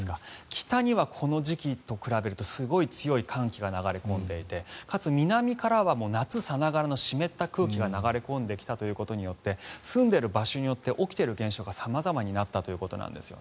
北には、この時期と比べるとすごく強い寒気が流れ込んでいてかつ、南からは夏さながらの湿った空気が流れ込んできたことによって住んでいる場所によって起きている現象が様々になったということなんです。